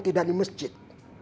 tidak di masjid